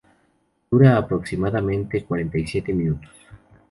Dura aproximadamente cuarenta y siete minutos.